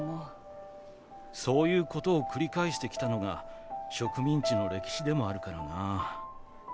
そういうことを繰り返してきたのが植民地の歴史でもあるからな。